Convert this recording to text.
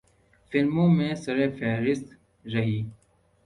فلموں میں سرِ فہرست رہی۔